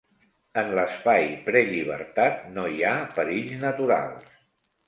En l'espai prellibertat no hi ha perills naturals.